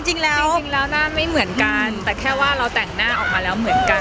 จริงแล้วจริงแล้วหน้าไม่เหมือนกันแต่แค่ว่าเราแต่งหน้าออกมาแล้วเหมือนกัน